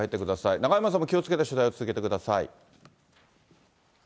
中山さんも気をつけて取材を続けてください。